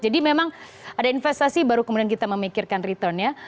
jadi memang ada investasi baru kemudian kita memikirkan returnnya